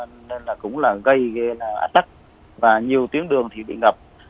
nên là cũng là gây ác tắc và nhiều tuyến đường thì bị ngập